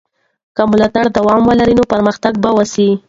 که ملاتړ دوام ولري نو پرمختګ به وسي.